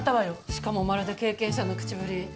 しかもまるで経験者の口ぶり。